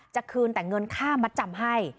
จะคืนแต่เงินค่ามัดจำให้